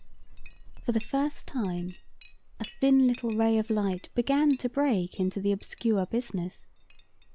For the first time a thin little ray of light began to break into the obscure business.